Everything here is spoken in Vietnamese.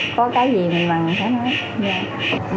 có cái gì mình mặn sẽ hết